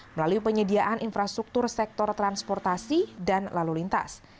melalui penyediaan infrastruktur sektor transportasi dan lalu lintas